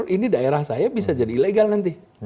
ini daerah saya bisa jadi ilegal nanti